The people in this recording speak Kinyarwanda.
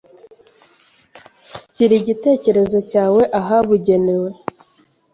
shyira igitekerezo cyawe ahabugenewe.